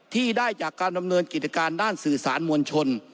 ที่ได้จากการดำเนินกิจการด้านสื่อสารมวลชน